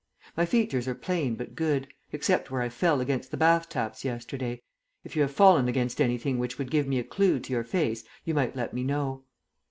My features are plain but good, except where I fell against the bath taps yesterday. If you have fallen against anything which would give me a clue to your face you might let me know.